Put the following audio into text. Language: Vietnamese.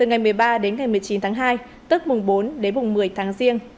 ngày một mươi chín tháng hai tức mùng bốn đến mùng một mươi tháng riêng